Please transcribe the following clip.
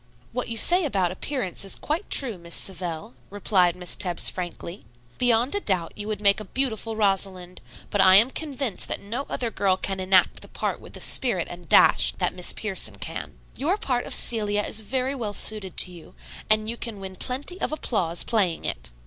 "What you say about appearance is quite true, Miss Savell," replied Miss Tebbs frankly. "Beyond a doubt you would make a beautiful Rosalind; but I am convinced that no other girl can enact the part with the spirit and dash that Miss Pierson can. Your part of Celia is very well suited to you, and you can win plenty of applause playing it.